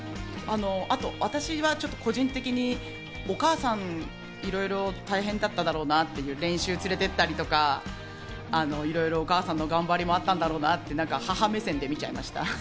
あと私は個人的に、お母さんがいろいろ大変だっただろうなって、練習に連れて行ったり、お母さんの頑張りもあったんだろうなって、母目線で見ちゃいました。